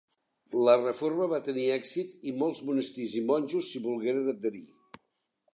La reforma va tenir èxit i molts monestirs i monjos s'hi volgueren adherir.